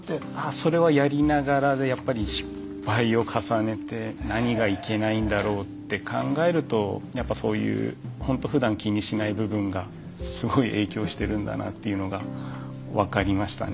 それはやりながらでやっぱり失敗を重ねて何がいけないんだろうって考えるとやっぱそういうほんとふだん気にしない部分がすごい影響してるんだなっていうのが分かりましたね。